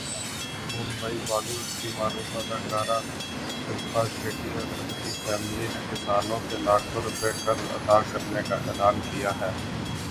Mumbai Bollywood کی معروف اداکارہ شلپا شیٹھی اور اُن کی فیملی نے کسانوں کے لاکھوں روپے قرض ادا کرنے کا اعلان کیا ہے